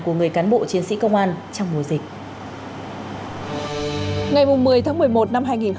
của người cán bộ chiến sĩ công an trong mùa dịch